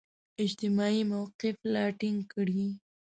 اجتماعي موقف لا ټینګ کړي.